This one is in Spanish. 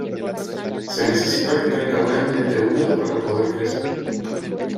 Se necesita que tenga un ambiente húmedo para poder crecer.